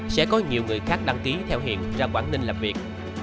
sẽ có nhiều người khác đăng ký theo hiện ra quảng ninh làm việc